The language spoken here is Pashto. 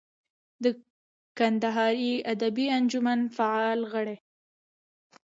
د کندهاري ادبي انجمن فعال غړی.